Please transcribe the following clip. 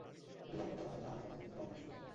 বিড়াল হলে হয়তো আমার কথাগুলি খুব অপমানসূচক মনে হত না।